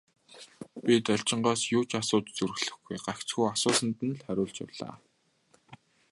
Би Должингоос юу ч асууж зүрхлэхгүй, гагцхүү асуусанд нь хариулж явлаа.